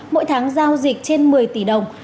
mỗi tháng giao dịch trên một mươi tỷ đồng